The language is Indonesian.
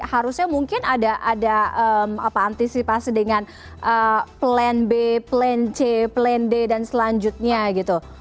harusnya mungkin ada antisipasi dengan plan b plan c plan d dan selanjutnya gitu